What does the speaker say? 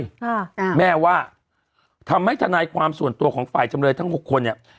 อ่าแม่ว่าทำให้ทนายความส่วนตัวของฝ่ายจำเลยทั้งหกคนเนี้ย